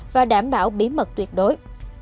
và đảm bảo bí mật tuyệt đối